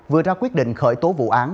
vừa ra quyết định khởi tố vụ án